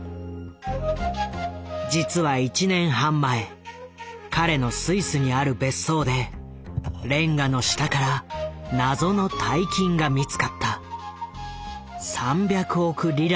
実は１年半前彼のスイスにある別荘でれんがの下から謎の大金が見つかった。